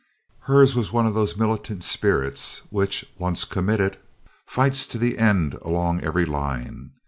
Hers was one of those militant spirits which, once committed, fights to the end along every line.